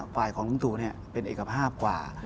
ฝ่ายของลุงตู่เป็นเอกภาพกว่า